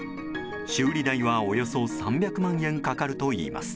修理代は、およそ３００万円かかるといいます。